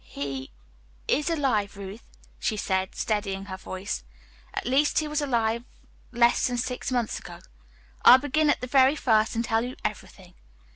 "He is alive, Ruth," she said, steadying her voice. "At least he was alive less than six months ago. I'll begin at the very first and tell you everything."